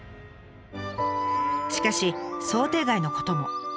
しかし想定外のことも。